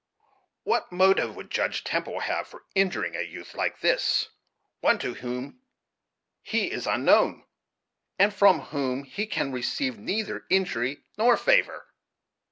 What motive could Judge Temple have for injuring a youth like this; one to whom he is unknown, and from whom he can receive neither in jury nor favor?"